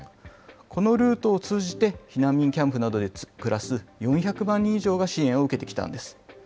このルートを通じて、避難民キャンプなどで暮らす４００万人以上が支援を受けてきたんです。